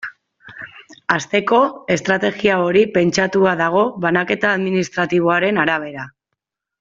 Hasteko, estrategia hori pentsatua dago banaketa administratiboaren arabera.